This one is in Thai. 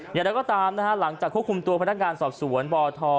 อย่างไรก็ตามนะฮะหลังจากควบคุมตัวพนักงานสอบสวนบท